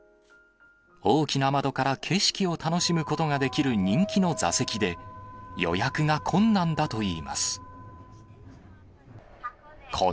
大きな窓から景色を楽しむことができる人気の座席で、予約が困難だといいます。